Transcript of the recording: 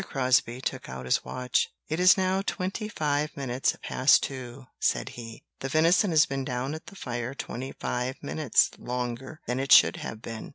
Crosbie took out his watch. "It is now twenty five minutes past two," said he; "the venison has been down at the fire twenty five minutes longer than it should have been.